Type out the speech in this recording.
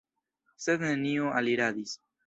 Sed neniu aliradis.